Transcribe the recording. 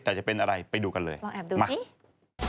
แต่จะเป็นอะไรไปดูกันเลยลองแอบดูไหม